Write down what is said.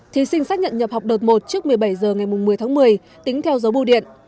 thí sinh xác nhận nhập học đợt một trước một mươi bảy h ngày một mươi tháng một mươi tính theo dấu bù điện